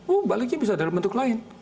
ooh baliknya bisa dari bentuk lain